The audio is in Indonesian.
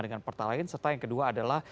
dengan partai lain serta yang kedua adalah